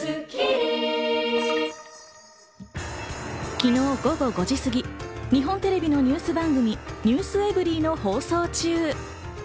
昨日午後５時すぎ、日本テレビのニュース番組『ｎｅｗｓｅｖｅｒｙ．』の放送中。